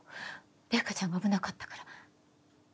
零花ちゃんが危なかったから。